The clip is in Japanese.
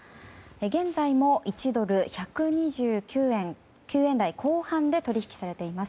現在も１ドル＝１２９円台後半で取引されています。